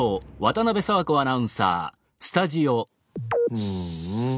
うん。